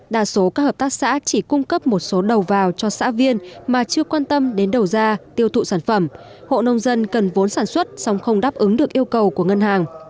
đa số các hợp tác xã chỉ cung cấp một số đầu vào cho xã viên mà chưa quan tâm đến đầu ra tiêu thụ sản phẩm hộ nông dân cần vốn sản xuất song không đáp ứng được yêu cầu của ngân hàng